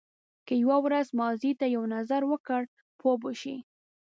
که یو ورځ ماضي ته یو نظر وکړ پوه به شې.